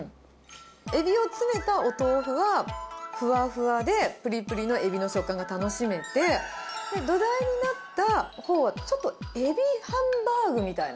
エビを詰めたお豆腐は、ふわふわでぷりぷりのエビの食感が楽しめて、土台になったほうは、ちょっとエビハンバーグみたいな。